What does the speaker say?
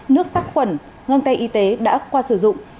nước sắc khuẩn ngân tay y tế đã qua sử dụng